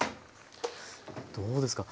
どうですか？